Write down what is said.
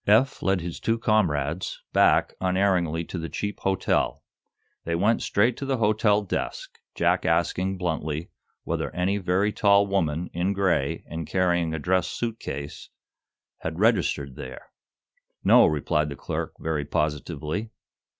Eph led his two comrades back unerringly to the cheap hotel. They went straight to the hotel desk, Jack asking, bluntly, whether any very tall woman, in gray, and carrying a dress suit ease, had registered there. "No," replied the clerk, very positively.